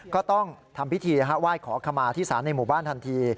ก็ต้องทำพิธีไหว้ขอขมาที่ศาลในหมู่บ้านทันที